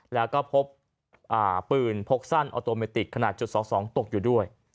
แล้วก็พบปืนพกสั้นออโตเมติกขนาดจุด๒๒ตกอยู่ด้วย